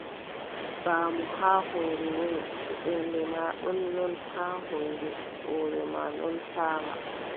Faamu haa hoore woni, to ɓernde maa non haa huunde, hoore maa non faama.